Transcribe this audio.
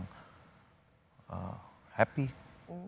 saya ingin mereka hidupnya sekarang